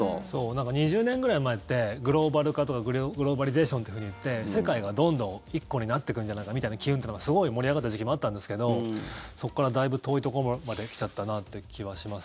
なんか２０年くらい前ってグローバル化とかグローバリゼーションっていうふうにいって世界がどんどん１個になっていくんじゃないかみたいな機運っていうのがすごい盛り上がった時期もあったんですけどそこからだいぶ遠いところまで来ちゃったなって気はします。